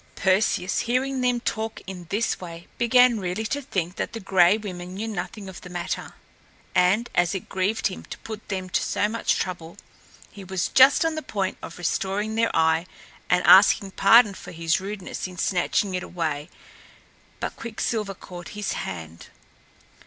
Perseus, hearing them talk in this way, began really to think that the Gray Women knew nothing of the matter; and, as it grieved him to put them to so much trouble, he was just on the point of restoring their eye and asking pardon for his rudeness in snatching it away. But Quicksilver caught his hand.